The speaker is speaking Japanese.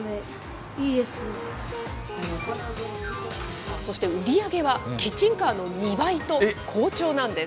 さあそして、売り上げはキッチンカーの２倍と、好調なんです。